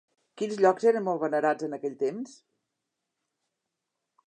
Quins llocs eren molt venerats en aquell temps?